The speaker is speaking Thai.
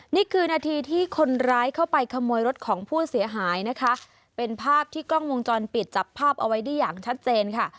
นี่คือนาทีที่คนร้ายเข้าไปขโมยรถของผู้เสียหายนะคะเป็นภาพที่กล้องวงจรปิดจับภาพเอาไว้ได้อย่างชัดเจนค่ะ